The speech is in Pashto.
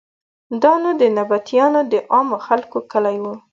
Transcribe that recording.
دا نو د نبطیانو د عامو خلکو کلی و.